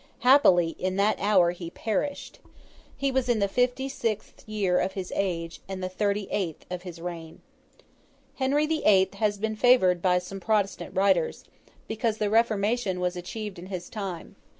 Happily, in that hour he perished. He was in the fifty sixth year of his age, and the thirty eighth of his reign. Henry the Eighth has been favoured by some Protestant writers, because the Reformation was achieved in his time.